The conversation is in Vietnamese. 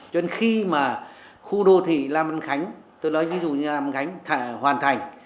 cho nên khi mà khu đô thị la mân khánh tôi nói ví dụ như la mân khánh hoàn thành